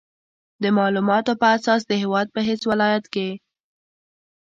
د مالوماتو په اساس د هېواد په هېڅ ولایت کې